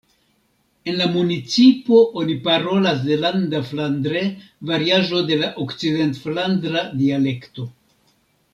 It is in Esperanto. En la municipo oni parolas zelanda-flandre, variaĵo de la okcident-flandra dialekto.